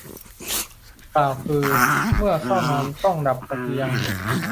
กล่าวคือเมื่อเข้านอนต้อง ดับตะเกียง